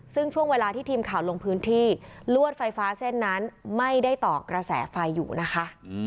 ซึ่งช่วงเวลาที่ทีมข่าวลงพื้นที่ลวดไฟฟ้าเส้นนั้นไม่ได้ต่อกระแสไฟอยู่นะคะ